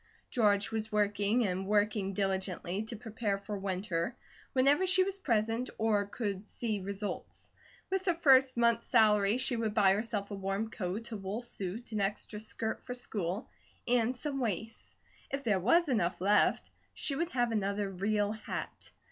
George was working and working diligently, to prepare for winter, whenever she was present or could see results. With her first month's salary she would buy herself a warm coat, a wool suit, an extra skirt for school, and some waists. If there was enough left, she would have another real hat.